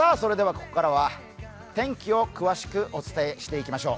ここからは天気を詳しくお伝えしていきましょう。